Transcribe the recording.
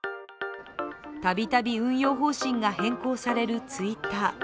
度々、運用方針が変更されるＴｗｉｔｔｅｒ。